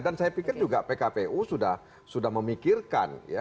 dan saya pikir juga pkpu sudah memikirkan